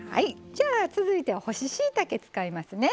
じゃあ続いては干ししいたけ使いますね。